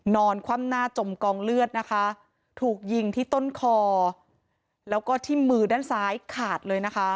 คว่ำหน้าจมกองเลือดนะคะถูกยิงที่ต้นคอแล้วก็ที่มือด้านซ้ายขาดเลยนะคะ